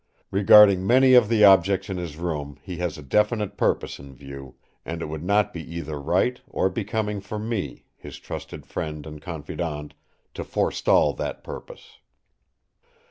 Regarding many of the objects in his room he has a definite purpose in view; and it would not be either right or becoming for me, his trusted friend and confidant, to forestall that purpose.